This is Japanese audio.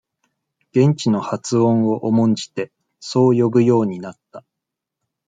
現地の発音を重んじて、そう呼ぶようになった。